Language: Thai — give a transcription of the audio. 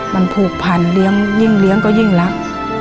มันผูกผันยิ่งเลี้ยงก็ยิ่งรัก